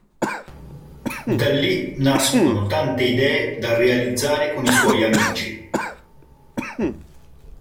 Da lì nascono tante idee da realizzare con i suoi amici.